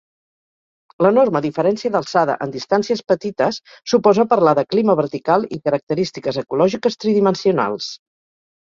L'enorme diferència d'alçada en distàncies petites suposa parlar de Clima vertical i característiques ecològiques tridimensionals.